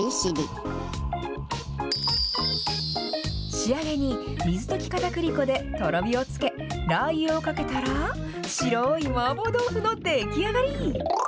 仕上げに水溶きかたくり粉でとろみをつけ、ラー油をかけたら、白い麻婆豆腐の出来上がり。